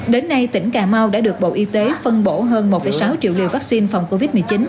đến nay tỉnh cà mau đã được bộ y tế phân bổ hơn một sáu triệu liều vaccine phòng covid một mươi chín